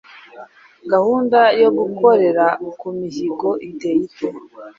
Gahunda yo gukorera ku mihigo iteye ite?